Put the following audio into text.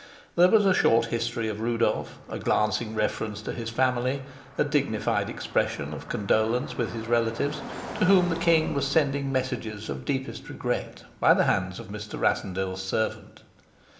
There was a short history of Rudolf, a glancing reference to his family, a dignified expression of condolence with his relatives, to whom the king was sending messages of deepest regret by the hands of Mr. Rassendyll's servant.